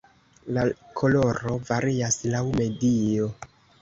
La koloro varias laŭ medio.